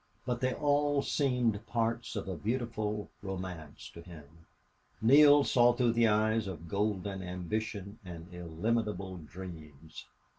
But they all seemed parts of a beautiful romance to him. Neale saw through the eyes of golden ambition and illimitable dreams.